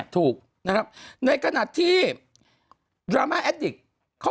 ถูกนะครับในกระหนักที่